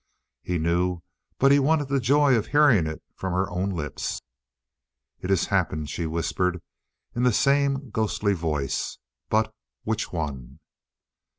He knew, but he wanted the joy of hearing it from her own lips. "It has happened," she whispered in the same ghostly voice. "But which one?"